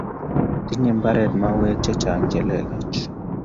tinyei mbare mauek chechang' che lelach